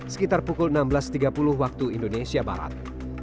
sekitar pukul enam belas tiga puluh waktu indonesia barat